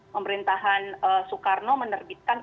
pemerintahan soekarno menerbitkan